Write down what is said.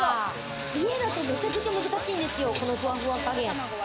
家だとめちゃくちゃ難しいんですよ、このふわふわ加減。